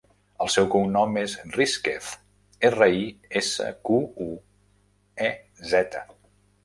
El seu cognom és Risquez: erra, i, essa, cu, u, e, zeta.